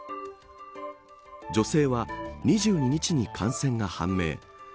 女性は、２２日に感染が判明。